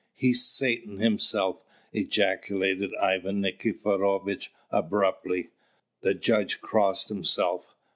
"He's Satan himself!" ejaculated Ivan Nikiforovitch abruptly. The judge crossed himself.